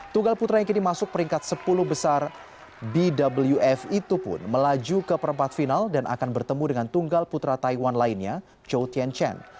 tunggal putra yang kini masuk peringkat sepuluh besar bwf itu pun melaju ke perempat final dan akan bertemu dengan tunggal putra taiwan lainnya chou tien chen